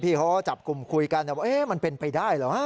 เขาก็จับกลุ่มคุยกันว่ามันเป็นไปได้เหรอวะ